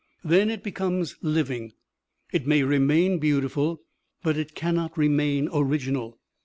"Then it becomes living. It may remain beautiful, but it cannot remain original."